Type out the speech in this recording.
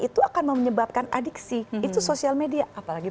itu akan menyebabkan adiksi itu sosial media apalagi